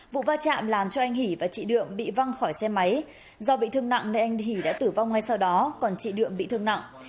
vụ va chạm làm cho anh hỷ và chị đượm bị văng khỏi xe máy do bị thương nặng nên anh hỷ đã tử vong ngay sau đó còn chị đượm bị thương nặng